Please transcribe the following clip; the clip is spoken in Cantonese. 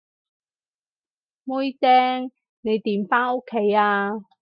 妹釘，你點返屋企啊？